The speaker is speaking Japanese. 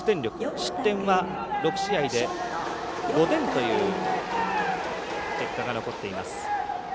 失点は６試合で５点という結果が残っています。